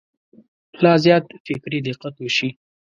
لا زیات فکري دقت وشي.